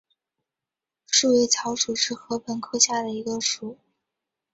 束尾草属是禾本科下的一个属。